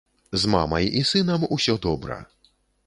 З мамай і сынам усё добра.